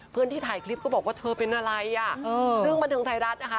เพื่อนที่ถ่ายคลิปก็บอกว่าเธอเป็นอะไรอ่ะซึ่งบันเทิงไทยรัฐนะคะ